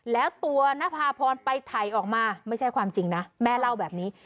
แล้วตัวนภาพรไปถ่ายออกมาไม่ใช่ความจริงนะแม่เล่าแบบนี้